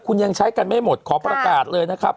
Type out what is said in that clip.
คุณยังใช้กันไม่หมดขอประกาศเลยนะครับ